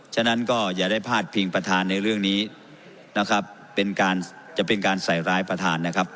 ฉะนั้นก็อย่าได้พาดพิงประธานในเรื่องนี้นะครับเป็นการจะเป็นการใส่ร้ายประธานนะครับ